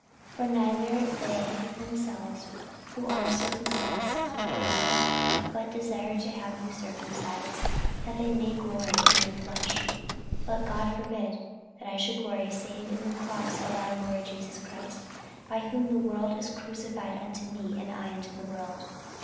48:006:013 For neither they themselves who are circumcised keep the law; but desire to have you circumcised, that they may glory in your flesh. 48:006:014 But God forbid that I should glory, save in the cross of our Lord Jesus Christ, by whom the world is crucified unto me, and I unto the world.